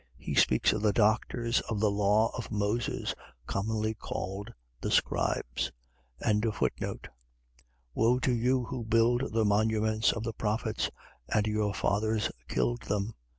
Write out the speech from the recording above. . .He speaks of the doctors of the law of Moses, commonly called the scribes. 11:47. Woe to you who build the monuments of the prophets: and your fathers killed them.